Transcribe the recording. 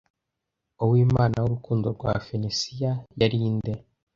Uwimana w'urukundo rwa Fenisiya yari nde